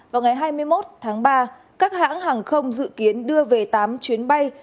vào ngày hai mươi một tháng ba các hãng hàng không dự kiến đưa về tám chuyến bay